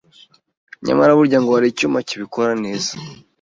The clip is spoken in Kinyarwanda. Nyamara burya ngo hari icyuma kibikora neza